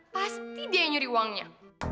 pasti dia nyuri uangnya